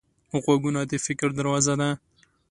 غوږونه د فکر دروازه ده